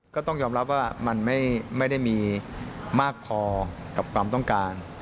ก็ต้องยอมรับว่ามันไม่ได้มีมากพอกับความต้องการ